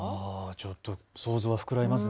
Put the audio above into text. ちょっと想像が膨らみますね。